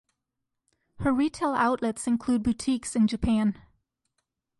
Her retail outlets include boutiques in Japan.